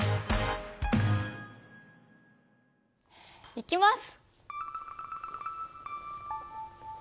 いきます！